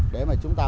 để mà chúng ta